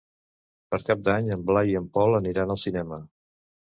Per Cap d'Any en Blai i en Pol aniran al cinema.